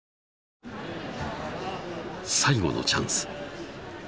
最後のチャンス。